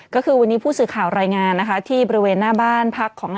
ก็คือวันนี้ผู้สื่อข่าวรายงานนะคะที่บริเวณหน้าบ้านพักของ